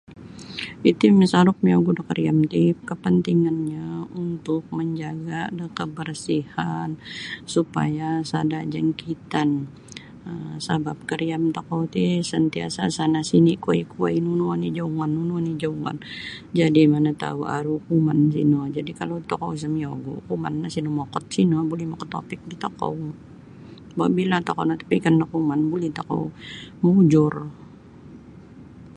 Iti masaruk miyogu' da kariam ti kapantingannyo untuk manjaga' da kabarsihan supaya sada' jangkitan um sabap kariam tokou ti santiasa' sana sini' kuai-kuai nunu oni' joungon nunu oni' joungon jadi' mana tau' aru kuman sino. Jadi' kalau tokou isa miyogu' kuman no sinumokot sino buli makatopik da tokou bila tokou notopikon da kuman buli tokou maujur.